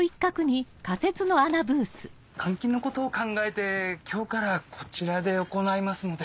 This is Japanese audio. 換気のことを考えて今日からこちらで行いますので。